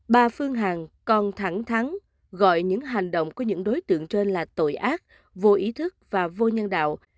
bà phương hằng còn thẳng thắng gọi những hành động của những đối tượng trên là tội ác vô ý thức và vô nhân đạo